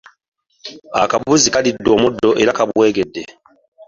Akabuzi kalidde omuddo era kabwegedde.